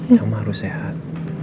mama harus sehat